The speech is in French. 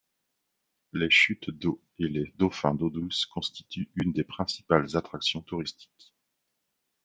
Les chutes d'eau et les dauphins d'eau douce constituent une des principales attractions touristiques.